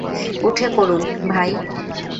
উঠে পড়ুন, ভাই।